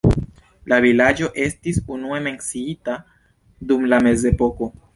La vilaĝo estis unue menciita dum la mezepoko.